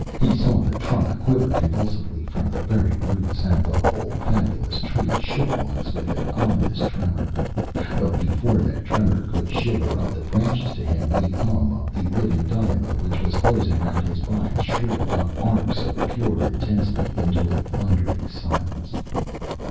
He saw the trunk quiver convulsively from the very roots, and the whole fabulous Tree shook once with an ominous tremor. But before that tremor could shiver up the branches to him the hum of the living dynamo which was closing round his body shrilled up arcs of pure intensity into a thundering silence.